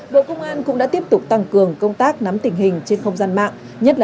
bộ công an cũng đã tiếp tục tăng cường công tác nắm tình hình trên không gian mạng